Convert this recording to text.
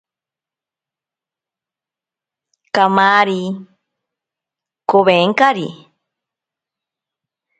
Kamari kowenkari.